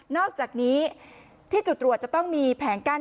อกจากนี้ที่จุดตรวจจะต้องมีแผงกั้น